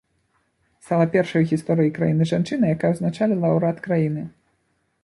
Стала першай у гісторыі краіны жанчынай, якая ўзначаліла ўрад краіны.